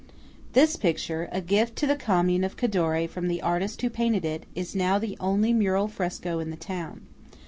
This picture–a gift to the Commune of Cadore from the artist who painted it–is now the only mural fresco in the town.